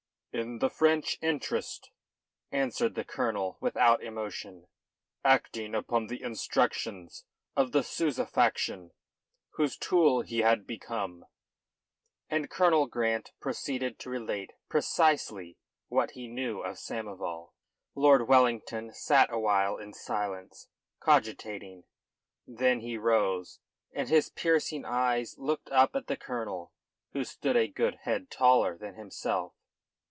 "In the French interest," answered the colonel without emotion, "acting upon the instructions of the Souza faction, whose tool he had become." And Colonel Grant proceeded to relate precisely what he knew of Samoval. Lord Wellington sat awhile in silence, cogitating. Then he rose, and his piercing eyes looked up at the colonel, who stood a good head taller than himself.